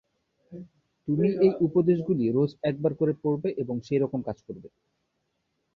তুমি এই উপদেশগুলি রোজ একবার করে পড়বে এবং সেই রকম কাজ করবে।